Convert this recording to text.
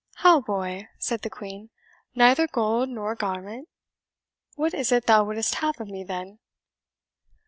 "How, boy!" said the Queen, "neither gold nor garment? What is it thou wouldst have of me, then?"